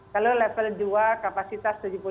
kalau level dua kapasitas